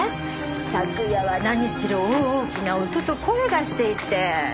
昨夜は何しろ大きな音と声がしていて。